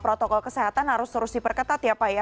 protokol kesehatan harus terus diperketat ya pak ya